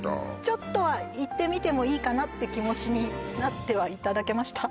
ちょっとは行ってみてもいいかなって気持ちになってはいただけました？